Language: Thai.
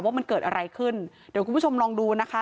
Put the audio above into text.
ว่ามันเกิดอะไรขึ้นเดี๋ยวคุณผู้ชมลองดูนะคะ